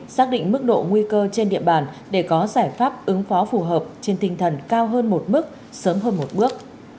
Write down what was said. xác định mức độ nguy cơ trên địa bàn để có giải pháp ứng phó phù hợp trên tinh thần cao hơn một mức sớm hơn một bước